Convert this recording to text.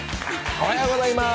おはようございます。